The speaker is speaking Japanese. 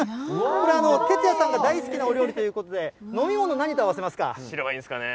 これ、哲哉さんが大好きなお料理ということで、飲み物、何と合わせます白ワインですかね。